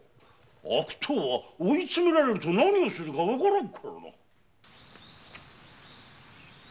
悪党は追い詰められると何をするかわからぬ。